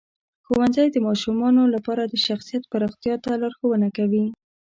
ښوونځی د ماشومانو لپاره د شخصیت پراختیا ته لارښوونه کوي.